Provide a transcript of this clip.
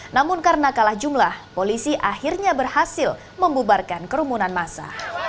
namun karena kalah jumlah polisi akhirnya berhasil membubarkan kerumunan masa